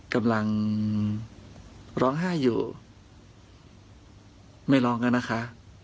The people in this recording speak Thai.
กำลังร้องไห้อยู่ไม่ร้องแล้วนะคะ